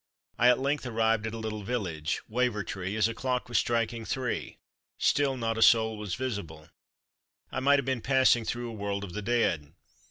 I at length arrived at a little village (Wavertree) as a clock was striking three; still not a soul was visible. I might have been passing through a world of the dead.